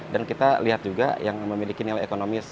dan kita lihat juga yang memiliki nilai ekonomis